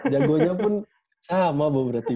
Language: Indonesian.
jago jago pun sama boh berarti